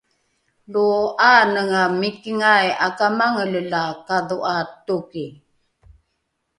lo ’aanenga mikingai ’akamangele la kadho’a toki